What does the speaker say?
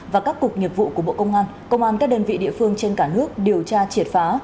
và các cục nghiệp vụ của bộ công an công an các đơn vị địa phương trên cả nước điều tra triệt phá